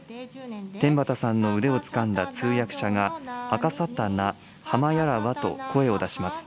天畠さんの腕をつかんだ通訳者が、あかさたな、はまやらわと声を出します。